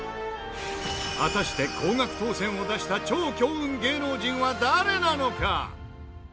果たして高額当せんを出した超強運芸能人は誰なのか？